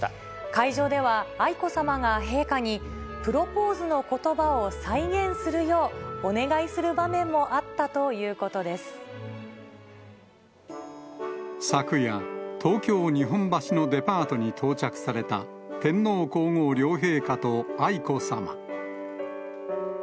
会場では、愛子さまが陛下に、プロポーズのことばを再現するようお願いする場面もあったという昨夜、東京・日本橋のデパートに到着された天皇皇后両陛下と愛子さま。